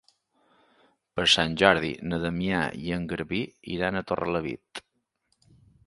Per Sant Jordi na Damià i en Garbí iran a Torrelavit.